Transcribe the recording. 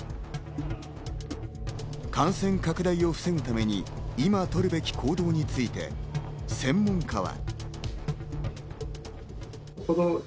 感染拡大を防ぐために今取るべき行動について専門家は。